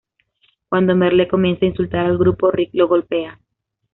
Cuando Merle comienza a insultar al grupo, Rick lo golpea.